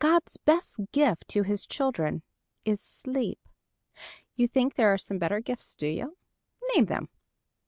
God's best gift to his children is sleep. You think there are some better gifts, do you? Name them.